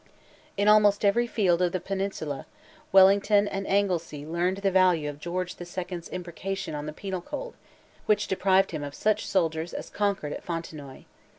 In almost every field of the Peninsula, Wellington and Anglesea learned the value of George the Second's imprecation on the Penal Code, which deprived him of such soldiers as conquered at Fontenoy.